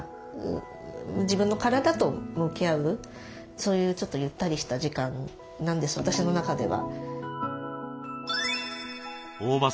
そういうちょっとゆったりした時間なんです私の中では。